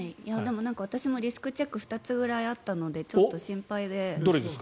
私もリスクチェック２つぐらいあったのでどれですか？